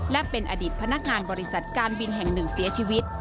และเป็นอดีตพนักงานบริษัทการบินแห่งหนึ่งเสียชีวิต